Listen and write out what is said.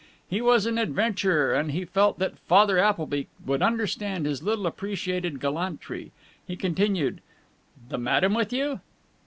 He was an adventurer and he felt that Father Appleby would understand his little appreciated gallantry. He continued, "The madam with you?"